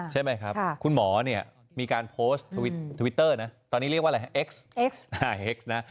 ใช่ไหมครับคุณหมอเนี่ยมีการโพสต์ทวิตเตอร์นะตอนนี้เรียกว่าอะไรฮะเอ็กซ์นะ